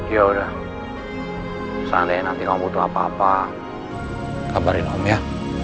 ya udah seandainya nanti kamu butuh apa apa kabarin om ya